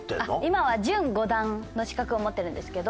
今は準５段の資格を持ってるんですけど。